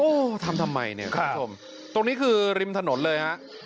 โอ้โหทำทำไมเนี่ยคุณผู้ชมตรงนี้คือริมถนนเลยฮะ